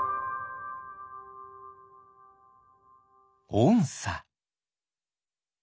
おんさ。